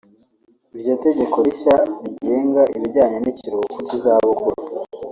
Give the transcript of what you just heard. Iryo tegeko rishya rigenga ibijyanye n’ikiruhuko cy’izabukuru